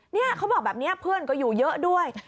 นี่เขาบอกแบบนี้เพื่อนก็อยู่เยอะด้วย